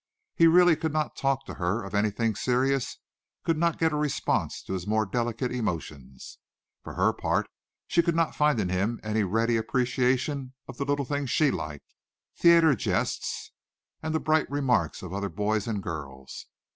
He really could not talk to her of anything serious, could not get a response to his more delicate emotions. For her part she could not find in him any ready appreciation of the little things she liked theater jests, and the bright remarks of other boys and girls.